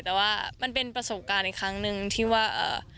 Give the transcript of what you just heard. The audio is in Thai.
แต่ว่ามันเป็นประสบการณ์อีกครั้งหนึ่งที่ว่า